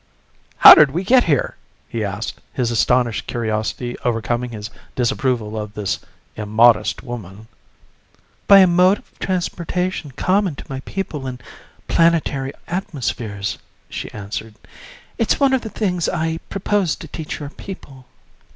"How did we get here?" he asked, his astonished curiosity overcoming his disapproval of this immodest woman. "By a mode of transportation common to my people in planetary atmospheres," she answered. "It's one of the things I propose to teach your people."